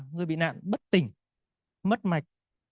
người bị nạn bất tỉnh mất mạch